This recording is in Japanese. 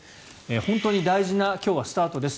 本当に大事な今日はスタートです